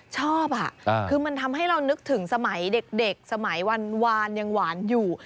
ชอบคือมันทำให้เรานึกถึงสมัยเด็กสมัยวานยังหวานอยู่